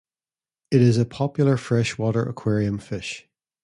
It is a popular freshwater aquarium fish.